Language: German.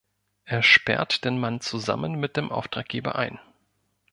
Er sperrt den Mann zusammen mit dem Auftraggeber ein.